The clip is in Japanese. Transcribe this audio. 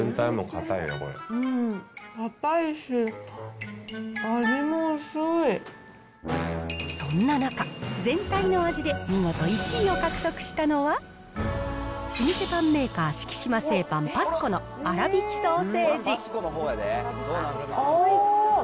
硬いし、そんな中、全体の味で見事１位を獲得したのは、老舗パンメーカー、敷島製パン、Ｐａｓｃｏのあらびきソーセージ。